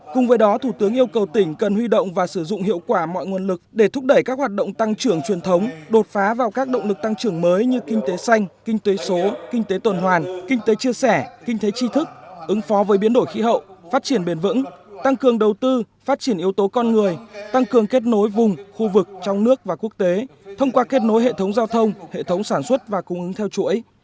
cùng với đó thủ tướng yêu cầu tỉnh cần huy động và sử dụng hiệu quả mọi nguồn lực để thúc đẩy các hoạt động tăng trưởng truyền thống đột phá vào các động lực tăng trưởng mới như kinh tế xanh kinh tế số kinh tế tuần hoàn kinh tế chia sẻ kinh tế tri thức ứng phó với biến đổi khí hậu phát triển bền vững tăng cường đầu tư phát triển yếu tố con người tăng cường kết nối vùng khu vực trong nước và quốc tế thông qua kết nối hệ thống giao thông hệ thống sản xuất và cung ứng theo chuỗi